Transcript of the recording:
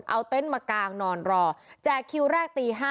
เอาเต็นต์มากางนอนรอแจกคิวแรกตี๕